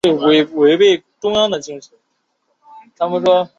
但俄军始终未能知道日军的准确登陆地点。